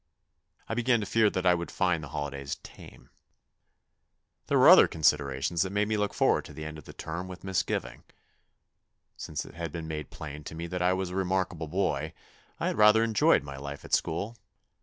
I began to fear that I would find the holidays tame. There were other considerations that made 76 THE NEW BOY me look forward to the end of the term with misgiving. Since it had been made plain to me that I was a remarkable boy, I had rather enjoyed my life at school.